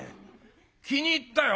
気に入ったよ。